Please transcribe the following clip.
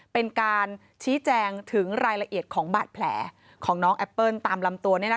เป็นการชี้แจงถึงรายละเอียดของบาดแผลของน้องแอปเปิ้ลตามลำตัว